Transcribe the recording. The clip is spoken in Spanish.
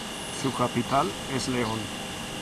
Su capital es León.